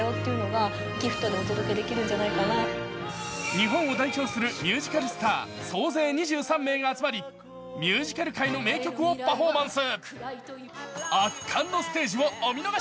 日本を代表するミュージカルスター、総勢２３姪が集まるミュージカル界の名曲をパフォーマンス。